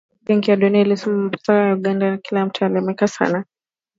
Benki ya Dunia ilisema mapato ya Uganda kwa kila mtu yaliimarika sana